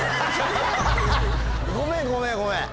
ごめんごめんごめん。